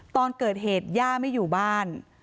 ตอนเกิดเหตุย่าไม่อยู่บ้าน